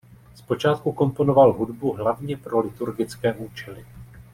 Zpočátku komponoval hudbu hlavně pro liturgické účely.